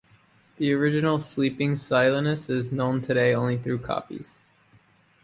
The original Sleeping Silenus is known today only through copies.